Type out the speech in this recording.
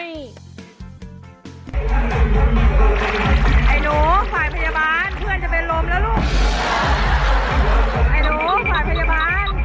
ไอ้หนูฝ่ายพยาบาลเพื่อนจะเป็นลมแล้วลูก